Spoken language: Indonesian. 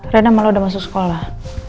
rena malah udah masuk sekolah